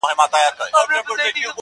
دا اټک اټک سيندونه -